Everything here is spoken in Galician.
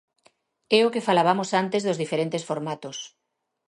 É o que falabamos antes dos diferentes formatos.